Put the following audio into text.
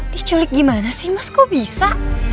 diculik gimana sih mas kok bisa